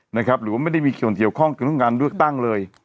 หรือว่าไม่ได้มีส่วนเกี่ยวข้องกับเรื่องการเลือกตั้งเลย